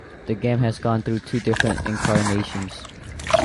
The game has gone through two different incarnations.